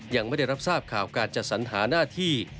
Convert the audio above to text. ยังไม่ได้รับทราบข่าวการจัดสรรหาหน้าที่